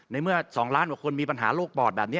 ในเมื่อ๒ล้านกว่าคนมีปัญหาโรคปอดแบบนี้